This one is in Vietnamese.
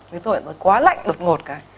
ví dụ như tôi quá lạnh đột ngột cái